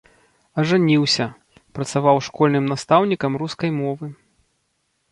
Ажаніўся, працаваў школьным настаўнікам рускай мовы.